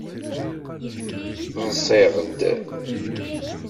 Ḍṣiɣ-d.